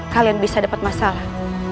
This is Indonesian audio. kalian bisa dapat masalah